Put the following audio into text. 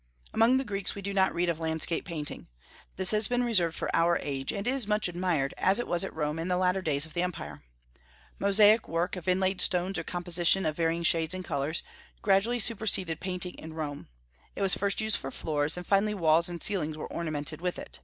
Among the Greeks we do not read of landscape painting. This has been reserved for our age, and is much admired, as it was at Rome in the latter days of the empire. Mosaic work, of inlaid stones or composition of varying shades and colors, gradually superseded painting in Rome; it was first used for floors, and finally walls and ceilings were ornamented with it.